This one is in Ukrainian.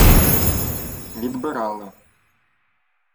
— Відбирали.